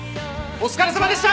お疲れさまでした！